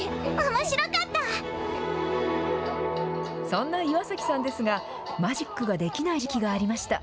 そんな岩崎さんですが、マジックができない時期がありました。